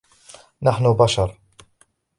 نحن بشر.